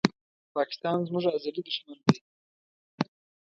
پاکستان زموږ ازلي دښمن دی